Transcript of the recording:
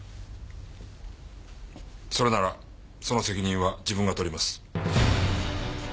それならその責任は自分が取ります。